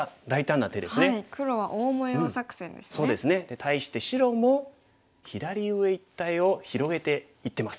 対して白も左上一帯を広げていってます。